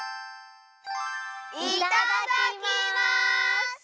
いただきます！